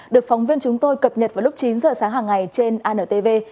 được phóng viên chúng tôi cập nhật vào lúc chín giờ sáng hàng ngày trên antv